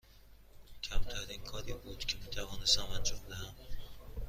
کمترین کاری بود که می توانستم انجام دهم.